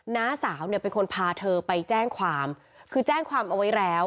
น้าสาวเนี่ยเป็นคนพาเธอไปแจ้งความคือแจ้งความเอาไว้แล้ว